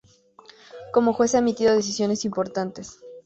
Como juez ha emitido decisiones importantes.